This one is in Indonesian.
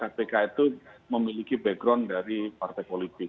tertangkap oleh kpk itu memiliki background dari partai politik